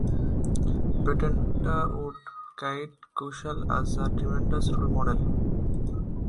Panetta would cite Kuchel as a tremendous role model.